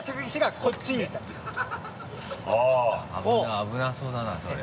危なそうだなそれ。